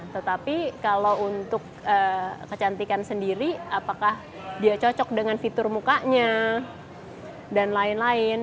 tetapi kalau untuk kecantikan sendiri apakah dia cocok dengan fitur mukanya dan lain lain